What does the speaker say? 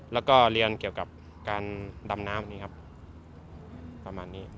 แล้วก็เรียนเกี่ยวกับการดำน้ำนี้ครับประมาณนี้